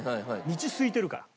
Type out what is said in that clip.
道すいてるから。